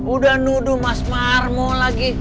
udah nuduh mas marmo lagi